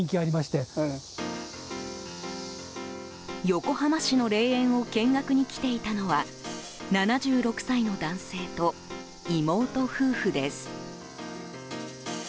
横浜市の霊園を見学に来ていたのは７６歳の男性と妹夫婦です。